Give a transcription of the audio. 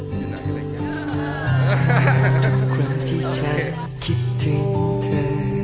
ทุกครั้งที่ฉันคิดถึงเธอ